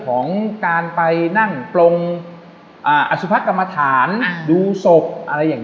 ของการไปนั่งปรงอ่าอสุพักษ์กรรมฐานดูศพอะไรอย่าง